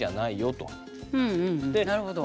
なるほど。